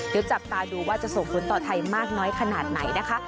เดี๋ยวจับตาดูว่าจะส่งผลต่อไทยมากน้อยขนาดไหนนะคะ